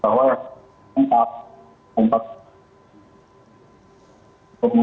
bahwa yang empat tahun penjara